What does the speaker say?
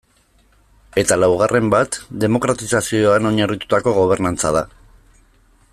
Eta laugarren bat demokratizazioan oinarritutako gobernantza da.